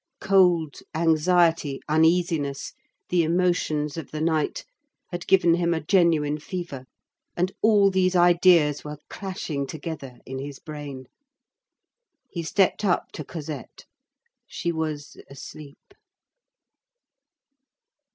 Cold, anxiety, uneasiness, the emotions of the night, had given him a genuine fever, and all these ideas were clashing together in his brain. He stepped up to Cosette. She was asleep.